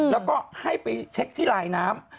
แล้วก็ให้ไปเช็คที่ลายน้ำ